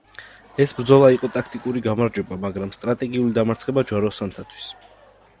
ეს ბრძოლა იყო ტაქტიკური გამარჯვება, მაგრამ სტრატეგიული დამარცხება ჯვაროსანთათვის.